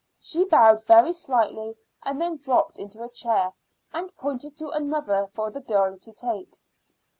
She bowed very slightly and then dropped into a chair, and pointed to another for the girl to take.